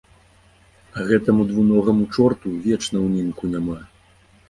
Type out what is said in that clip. А гэтаму двуногаму чорту вечна ўнімку няма.